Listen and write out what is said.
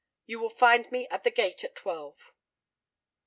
You will find me at the Gate at twelve."